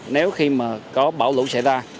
nếu khi mà có bão lũ xảy ra